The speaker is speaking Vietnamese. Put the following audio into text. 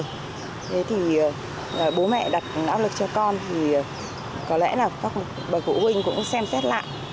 thế thì bố mẹ đặt áp lực cho con thì có lẽ là bà phụ huynh cũng xem xét lại